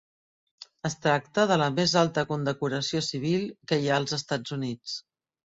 Es tracta de la més alta condecoració civil que hi ha als Estats Units.